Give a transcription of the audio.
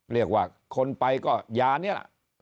เรียกว่าคนไปก็ยานี้